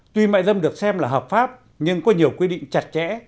tuy mại dâm được xem là hợp pháp nhưng có nhiều quy định chặt chẽ